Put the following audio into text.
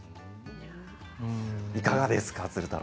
いかがですか？